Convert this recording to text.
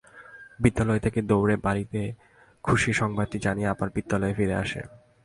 বিদ্যালয় থেকে দৌড়ে বাড়িতে খুশির সংবাদটা জানিয়ে আবার বিদ্যালয়ে ফিরে আসে।